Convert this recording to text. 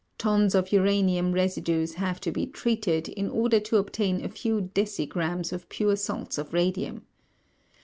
Tons of uranium residues have to be treated in order to obtain a few decigrammes of pure salts of radium.